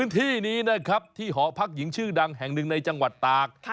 ที่นี้นะครับที่หอพักหญิงชื่อดังแห่งหนึ่งในจังหวัดตาก